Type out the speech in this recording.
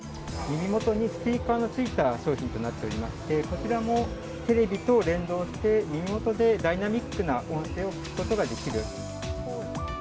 耳元にスピーカーのついた商品となっておりましてこちらもテレビと連動して耳元でダイナミックな音声を聴くことができる。